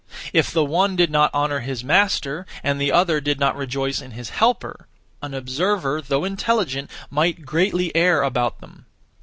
If the one did not honour his master, and the other did not rejoice in his helper, an (observer), though intelligent, might greatly err about them.